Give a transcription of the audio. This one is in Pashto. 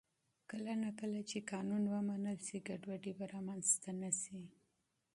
کله نا کله چې قانون ومنل شي، ګډوډي به رامنځته نه شي.